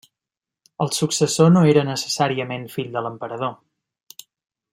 El successor no era necessàriament fill de l'emperador.